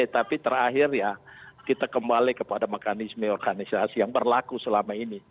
tapi terakhir ya kita kembali kepada mekanisme organisasi yang berlaku selama ini